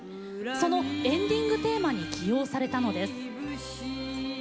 そのエンディングテーマに起用されたのです。